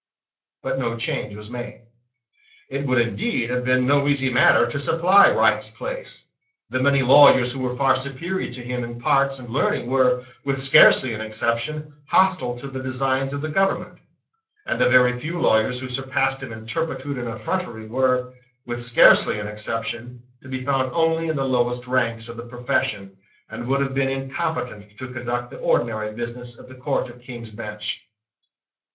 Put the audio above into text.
But no change was made. It would indeed have been no easy matter to supply Wright's place. The many lawyers who were far superior to him in parts and learning were, with scarcely an exception, hostile to the designs of the government; and the very few lawyers who surpassed him in turpitude and effrontery were, with scarcely an exception, to be found only in the lowest ranks of the profession, and would have been incompetent to conduct the ordinary business of the Court of King's Bench.